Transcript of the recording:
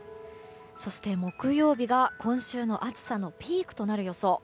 そして、木曜日が今週の暑さのピークとなる予想。